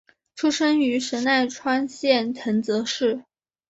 出身于神奈川县藤泽市。